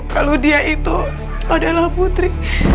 kalau dia itu adalah putri